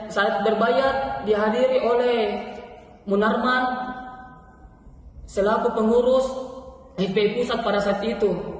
saat berbayaat dihadiri oleh munarman selaku pengurus fpi pusat pada saat itu